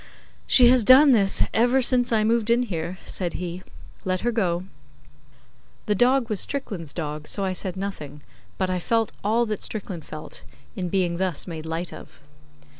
'She has done this ever since I moved in here,' said he. 'Let her go.' The dog was Strickland's dog, so I said nothing, but I felt all that Strickland felt In being thus made light of.